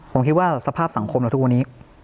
ผมคิดว่าสภาพสังคมเราทุกวันนี้